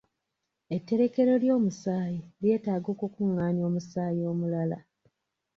Etterekero ly'omusaayi lyetaaga okukungaanya omusaayi omulala.